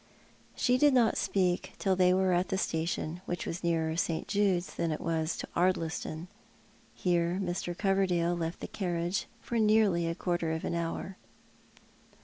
She did not speak till they were at the station, which was nearer St. Jude's than it was to Ardliston. Hero Mr. Coverdale left the carriage for nearly a quarter of an hour.